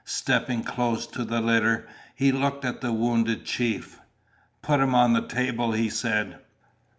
Stepping close to the litter, he looked at the wounded chief. "Put him on the table," he said.